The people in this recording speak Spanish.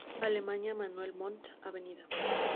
Alemania, Manuel Montt, Av.